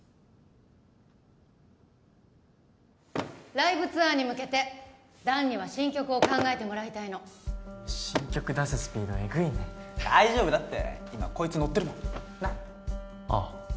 ライブツアーに向けて弾には新曲を考えてもらいたいの新曲出すスピードエグいね大丈夫だって今こいつノッてるもんなっああ